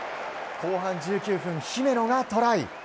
後半１９分、姫野がトライ。